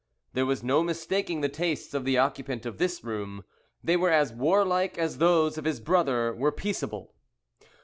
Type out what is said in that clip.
There was no mistaking the tastes of the occupant of this room: they were as warlike as those of his brother were peaceable.